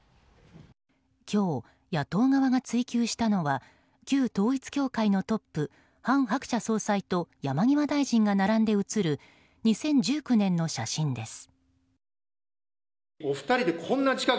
今日、野党側が追及したのは旧統一教会のトップ韓鶴子総裁と山際大臣が並んで写る２０１９年の写真です。